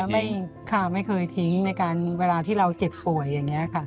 ไม่ค่ะไม่เคยทิ้งในการเวลาที่เราเจ็บป่วยอย่างนี้ค่ะ